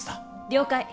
了解。